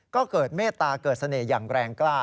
ก็เกิดเมตตาเกิดเสน่ห์อย่างแรงกล้า